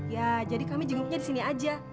ya jadi kami jenguknya di sini aja